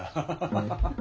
ハハハ。